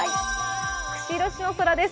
釧路市の空です。